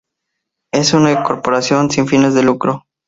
Es una corporación sin fines de lucro.